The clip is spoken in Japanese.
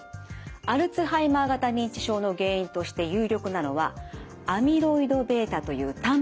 アルツハイマー型認知症の原因として有力なのはアミロイドβというタンパク質です。